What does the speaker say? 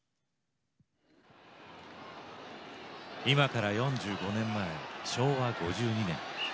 今から４５年前昭和５２年